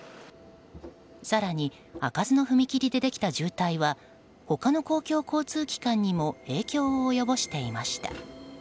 更に、開かずの踏切でできた渋滞は他の公共交通機関にも影響を及ぼしていました。